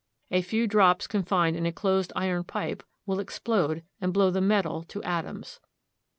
A few drops confined in a closed iron pipe will explode and blow the metal to atoms.